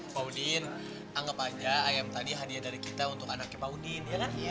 pak udin anggap aja ayam tadi hadiah dari kita untuk anaknya pak udin